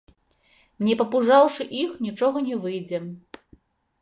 Не папужаўшы іх, нічога не выйдзе.